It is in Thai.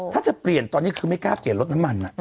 ถ้าจะเปลี่ยนตอนนี้คือไม่กล้าเปลี่ยนรถน้ำมัน